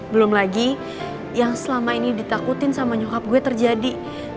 belum lagi yang selama ini ditakutin sama nyukap gue terjadi